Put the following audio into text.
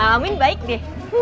amin baik deh